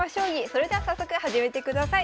それでは早速始めてください。